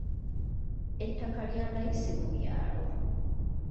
Ettaka lya layisi mu byalo.